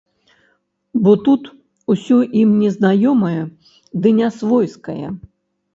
Бо тут усё ім незнаёмае ды нясвойскае.